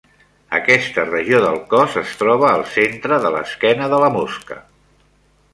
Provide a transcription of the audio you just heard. Aquesta regió del cos es troba al centre de l'esquena de la mosca.